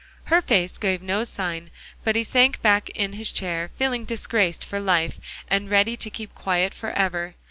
Her face gave no sign, but he sank back in his chair, feeling disgraced for life, and ready to keep quiet forever.